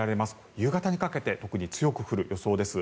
夕方にかけて特に強く降る予想です。